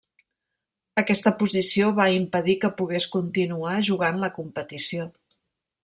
Aquesta posició va impedir que pogués continuar jugant la competició.